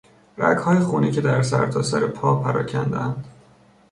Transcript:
رگهای خونی که در سرتاسر پا پراکندهاند